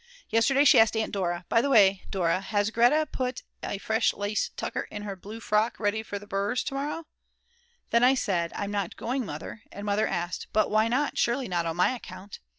Yesterday she asked Aunt Dora: "By the way, Dora, has Grete put a fresh lace tucker in her blue frock, ready for the Brs. to morrow?" Then I said: "I'm not going Mother," and Mother asked: "But why not, surely not on my account?"